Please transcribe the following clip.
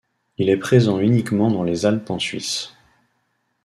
Il est présent uniquement dans les Alpes en Suisse.